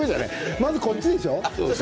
まずこっちでしょ？